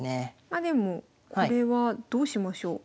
まあでもこれはどうしましょう？